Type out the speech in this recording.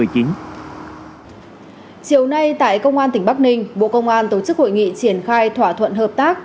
chiều nay tại công an tỉnh bắc ninh bộ công an tổ chức hội nghị triển khai thỏa thuận hợp tác